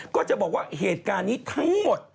ก็จะบอกว่าเหตุการณ์นี้ทั้งหมด